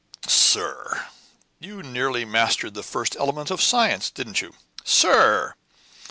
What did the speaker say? "Sir!" "You nearly mastered the first elements of science, didn't you?" "Sir!"